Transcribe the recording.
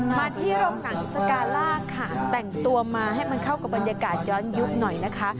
มาที่โรงหนังสการ่าค่ะแต่งตัวมาให้มันเข้ากับบรรยากาศย้อนยุคหน่อยนะคะ